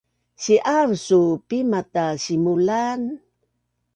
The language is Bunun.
si’aav suu Pima ta simulan